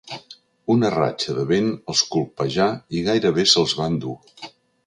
Una ratxa de vent els colpejà i gairebé se'ls va endur.